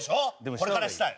これからしたい！